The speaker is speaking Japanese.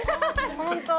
◆本当。